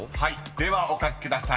ではお描きください］